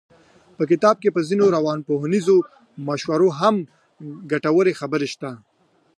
په کتاب کې په ځينو روانپوهنیزو مشورو هم ګټورې خبرې شته.